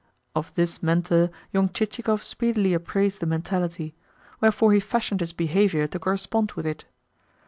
Of this mentor young Chichikov speedily appraised the mentality; wherefore he fashioned his behaviour to correspond with it.